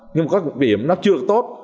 nhưng mà các doanh nghiệp nó chưa được tốt